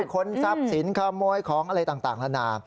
ค้นทรัพย์สินขโมยของอะไรต่างนานา